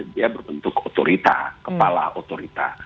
dia berbentuk otorita kepala otorita